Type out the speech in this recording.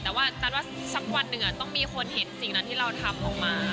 แต่ว่าตันว่าสักวันหนึ่งต้องมีคนเห็นสิ่งนั้นที่เราทำออกมา